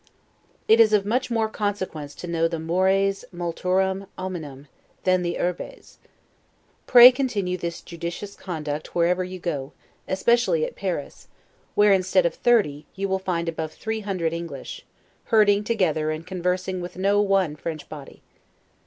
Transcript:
It is of much more consequence to know the 'mores multorem hominum' than the 'urbes'. Pray continue this judicious conduct wherever you go, especially at Paris, where, instead of thirty, you will find above three hundred English, herding together and conversing with no one French body.